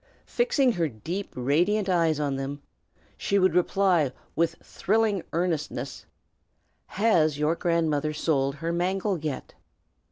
Fixing her deep radiant eyes on them, she would reply with thrilling earnestness, "Has your grandmother sold her mangle yet?"